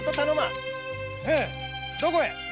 どこへ？